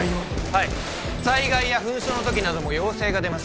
はい災害や紛争の時なども要請が出ます